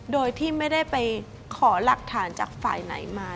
โดยที่ไม่ได้ไปขอหลักฐานจากฝ่ายไหนมา